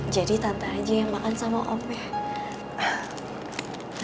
jadi tante aja yang makan sama om ya